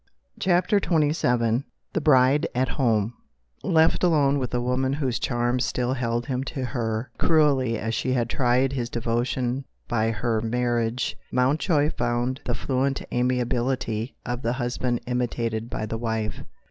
CHAPTER XXVII THE BRIDE AT HOME LEFT alone with the woman whose charm still held him to her, cruelly as she had tried his devotion by her marriage, Mountjoy found the fluent amiability of the husband imitated by the wife.